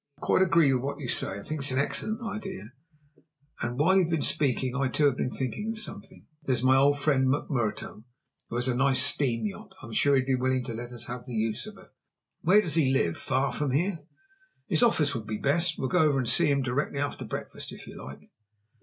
"I quite agree with what you say. I think it's an excellent idea; and, while you've been speaking, I too have been thinking of something. There's my old friend McMurtough, who has a nice steam yacht. I'm sure he'd be willing to let us have the use of her." "Where does he live? far from here?" "His office would be best; we'll go over and see him directly after breakfast if you like."